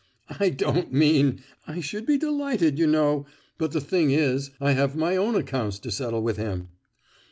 "I don't mean—I should be delighted, you know—but the thing is, I have my own accounts to settle with him!"